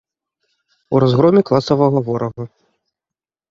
У разгроме класавага ворага.